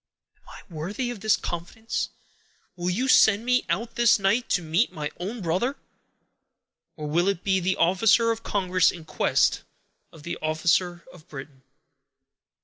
"Am I worthy of this confidence? Will you send me out this night, to meet my own brother? or will it be the officer of Congress in quest of the officer of Britain?"